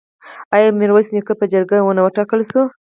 آیا میرویس نیکه په جرګه نه وټاکل شو؟